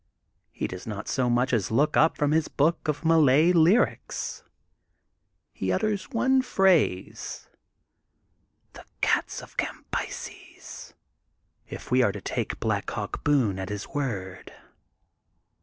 He does not so much as look up from his book of Malay lyrics. He utters one phrase :^' The Cats of Cambyses, if we are tp take Black Hawk Boone at his word.